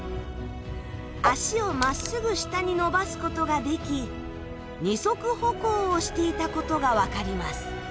あしを真っ直ぐ下に伸ばすことができ二足歩行をしていたことがわかります。